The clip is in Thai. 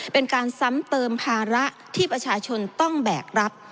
เป็นการซ้ำเติมภาระที่ประชาชนต้องแบกรับ